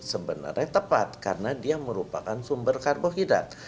sebenarnya tepat karena dia merupakan sumber karbohidrat